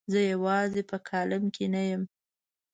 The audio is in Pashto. زه یوازې په کالم کې نه یم.